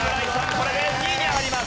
これで２位に上がります。